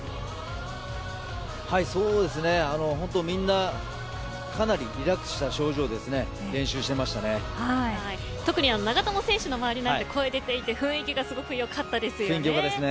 そうですね、本当、みんなかなりリラックスした表情で特に長友選手の周りなんて声が出ていて雰囲気がすごくよかったですよね。